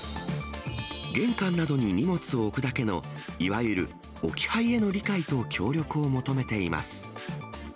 玄関などに荷物を置くだけの、いわゆる置き配への理解と協力を求めています。